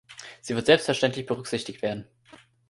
Sie wird selbstverständlich berücksichtigt werden.